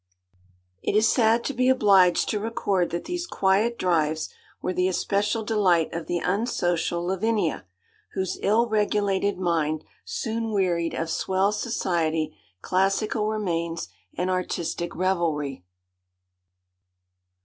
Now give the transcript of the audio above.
It is sad to be obliged to record that these quiet drives were the especial delight of the unsocial Lavinia, whose ill regulated mind soon wearied of swell society, classical remains, and artistic revelry.